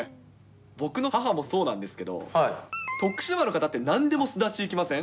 僕の母もそうなんですけれども、徳島の方って、なんでもすだちいきません？